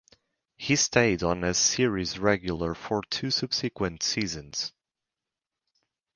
He stayed on as series regular for two subsequent seasons.